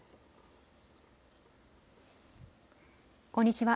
こんにちは。